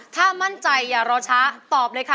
ถ้ามั่นใจอย่ารอช้าตอบเลยค่ะ